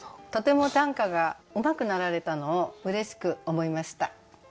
とても短歌がうまくなられたのをうれしく思いました。